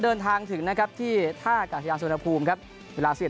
เบิ่นทางถึงที่ท่ากาศยาสุนภูมิ